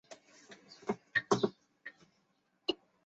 皮奥伊州拉戈阿是巴西皮奥伊州的一个市镇。